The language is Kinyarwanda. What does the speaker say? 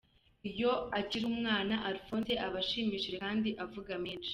Iyo akiri umwana, Alphonse aba ashimishije kandi avuga menshi.